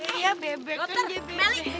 iya bebek kan dia bebek